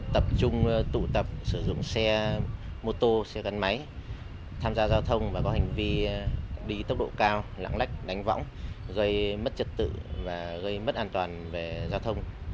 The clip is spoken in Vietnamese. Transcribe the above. tập trung tụ tập sử dụng xe mô tô xe gắn máy tham gia giao thông và có hành vi đi tốc độ cao lạng lách đánh võng gây mất trật tự và gây mất an toàn về giao thông